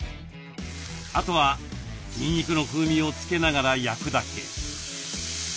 あとはにんにくの風味を付けながら焼くだけ。